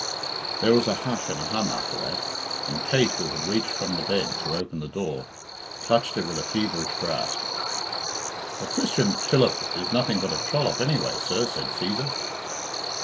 There was a hush and a hum after that, and Kate, who had reached from the bed to open the door, clutched it with a feverish grasp. "But Christian Killip is nothing but a trollop, anyway, sir," said Cæsar.